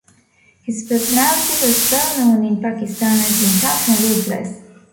His personality was well known in Pakistan as being tough and ruthless.